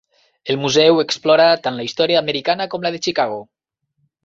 El museu explora tant la història americana com la de Chicago.